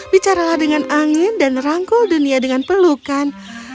bicaralah dengan angin dan rangkul dunia dengan pelukan